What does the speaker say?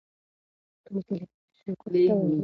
د کلي خلک ډېر بختور دي.